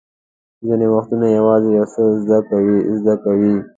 ځینې وختونه یوازې یو څه زده کوئ.